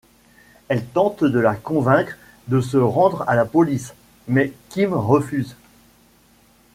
Elle tente de la convaincre de se rendre à la police, mais Kim refuse.